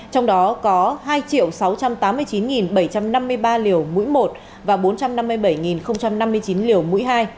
trong đó có hai sáu trăm tám mươi chín bảy trăm năm mươi ba liều mũi một và bốn trăm năm mươi bảy năm mươi chín liều mũi hai